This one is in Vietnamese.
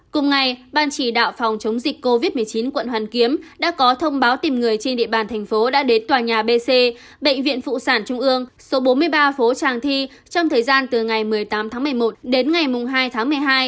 cùng ngày ban chỉ đạo phòng chống dịch covid một mươi chín quận hoàn kiếm đã có thông báo tìm người trên địa bàn thành phố đã đến tòa nhà b c bệnh viện phụ sản trung ương số bốn mươi ba phố tràng thi trong thời gian từ ngày một mươi tám tháng một mươi một đến ngày hai tháng một mươi hai